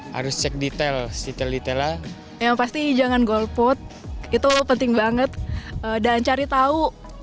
harus cek detail detail detail lah emang pasti jangan golpot itu penting banget dan cari tahu